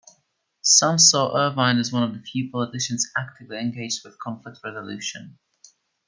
Some saw Ervine as one of the few politicians actively engaged with conflict resolution.